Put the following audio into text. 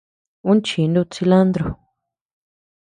Uu chii nuutii cilantro.